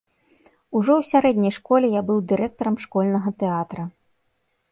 Ужо ў сярэдняй школе я быў дырэктарам школьнага тэатра.